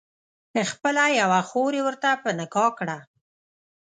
خپله یوه خور یې ورته په نکاح کړه.